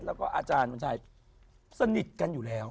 แล้วก็อาจารย์วันชัยสนิทกันอยู่แล้ว